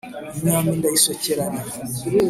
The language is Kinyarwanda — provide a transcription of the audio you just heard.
imyambi ndayisokeranya